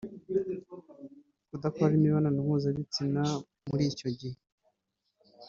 kudakora imibonano mpuzabitsina muri icyo gihe